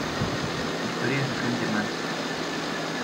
Historias de gente mansa.